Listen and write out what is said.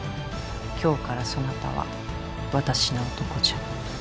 今日からそなたは私の男じゃ。